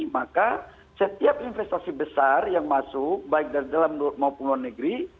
maka setiap investasi besar yang masuk baik dari dalam maupun luar negeri